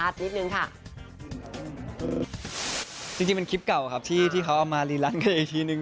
จริงสิ่งเป็นคลิปเก่าครับที่เขามีเรียนล้านกันอีกทีหนึ่ง